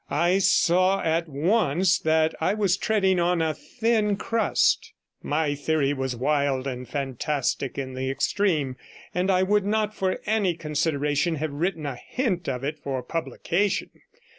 I saw at once that I was treading on a thin 53 crust; my theory was wild and fantastic in the extreme, and I would not for any consideration have written a hint of it for publication.